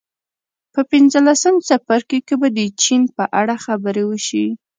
په پنځلسم څپرکي کې به د چین په اړه خبرې وشي